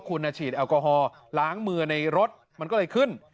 คุณฉีดแอลกอฮอลล้างมือในรถมันก็เลยขึ้น